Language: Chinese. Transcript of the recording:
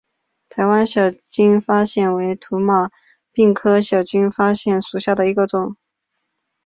台湾小金发藓为土马鬃科小金发藓属下的一个种。